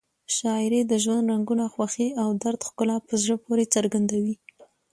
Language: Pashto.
شاعري د ژوند رنګونه، خوښۍ او درد ښکلا په زړه پورې څرګندوي.